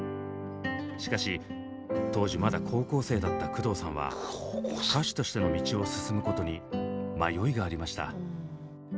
しかし当時まだ高校生だった工藤さんは歌手としての道を進むことに迷いがありました。